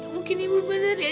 mungkin ibu bener ya